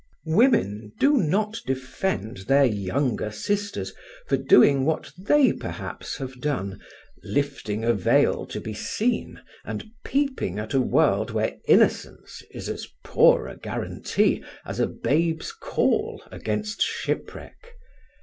Women do not defend their younger sisters for doing what they perhaps have done lifting a veil to be seen, and peeping at a world where innocence is as poor a guarantee as a babe's caul against shipwreck.